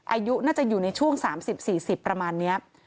อายุน่าจะอยู่ในช่วง๓๐๔๐ประมาณนี้